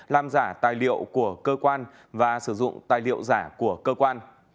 làm giả tài liệu của cơ quan và sử dụng tài liệu giả của cơ quan